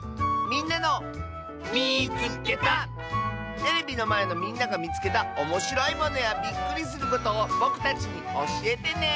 テレビのまえのみんながみつけたおもしろいものやびっくりすることをぼくたちにおしえてね！